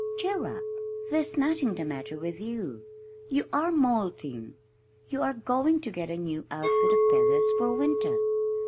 "Cheer up! There's nothing the matter with you. You are molting. You are going to get a new outfit of feathers for winter.